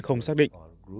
không xác định